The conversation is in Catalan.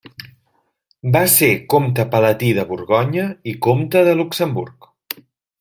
Va ser comte palatí de Borgonya i comte de Luxemburg.